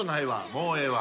もうええわ。